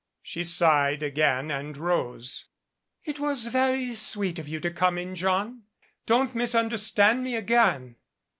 She sighed again and rose. "It was very sweet of you to come in, John. Don't misunderstand me again.